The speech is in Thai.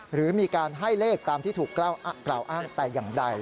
หรือมีการให้เลขตามที่ถูกกล่าวอ้างแต่อย่างใด